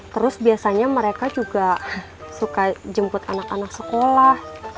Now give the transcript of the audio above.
terus biasanya mereka juga suka jemput anak anak sekolah